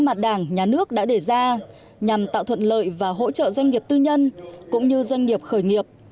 mà đảng nhà nước đã đề ra nhằm tạo thuận lợi và hỗ trợ doanh nghiệp tư nhân cũng như doanh nghiệp khởi nghiệp